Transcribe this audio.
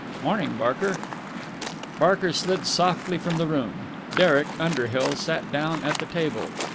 "Morning, Barker." Barker slid softly from the room. Derek Underhill sat down at the table.